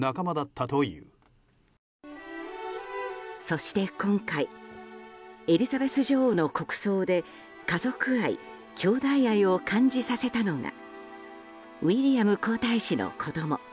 そして、今回エリザベス女王の国葬で家族愛、兄弟愛を感じさせたのがウィリアム皇太子の子供